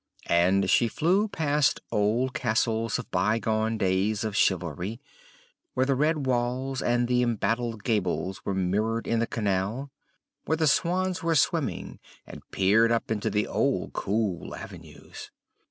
And she flew past old castles of by gone days of chivalry, where the red walls and the embattled gables were mirrored in the canal, where the swans were swimming, and peered up into the old cool avenues.